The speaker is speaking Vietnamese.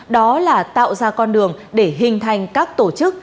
đó là tạo ra con đường để hình thành các tổ chức